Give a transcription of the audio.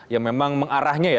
ya memang mengarahnya ya